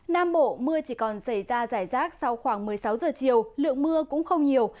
nam bộ mưa chỉ còn xảy ra giải rác sau khoảng một mươi sáu giờ chiều lượng mưa cũng không nhiều